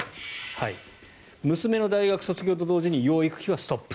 娘の大学卒業と同時に養育費はストップ。